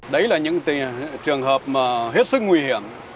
đấy là những trường hợp hết sức nguy hiểm